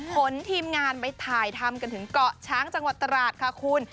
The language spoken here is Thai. ทีมงานไปถ่ายทำกันถึงเกาะช้างจังหวัดตราดค่ะคุณ